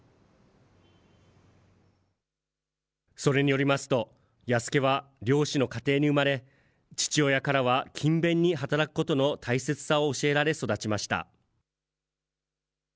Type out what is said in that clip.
それによりますと、弥助は、漁師の家庭に生まれ、父親からは勤勉に働くことの大切さを教えられ育ちました。